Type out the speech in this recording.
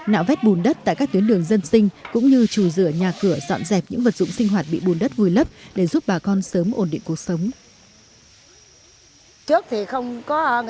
nạo vét bùn đất tại các tuyến đường dân sinh cũng như trù rửa nhà cửa dọn dẹp những vật dụng sinh hoạt bị bùn đất vùi lấp để giúp bà con sớm ổn định cuộc sống